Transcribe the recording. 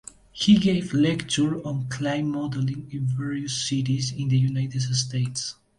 He gave lectures on clay modelling in various cities in the United States.